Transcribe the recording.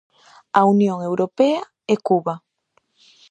A Unión Europea e Cuba.